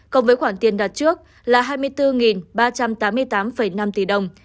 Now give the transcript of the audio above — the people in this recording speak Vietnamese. cộng với khoản tiền đặt trước là hai mươi bốn ba trăm tám mươi tám năm tỷ đồng